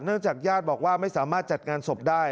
เนื่องจากยาดบอกว่าไม่สามารถจัดงานศพได้